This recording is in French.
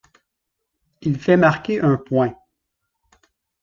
Il fait marquer un point.